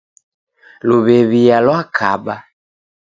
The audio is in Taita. Luw'ew'ia lwakaba.